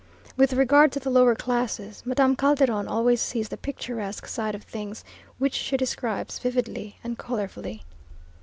With regard to the lower classes, Madame Calderon always sees the picturesque side of things which she describes vividly and colourfully.